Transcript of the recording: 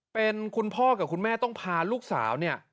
เป็นคุณพ่อกับคุณแม่ต้องพาลูกสาวเนี่ย